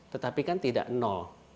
tetapi kan tidak nol